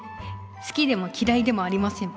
好きでもきらいでもありません。